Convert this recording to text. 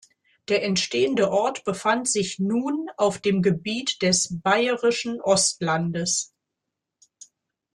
Der entstehende Ort befand sich nun auf dem Gebiet des Baierischen Ostlandes.